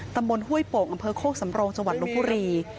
ตำบลห้วยโปกอำเภอโคกสำโรงจังหวัดลงพุรี